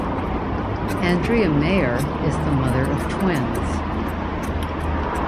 Andrea Mayer is the mother of twins.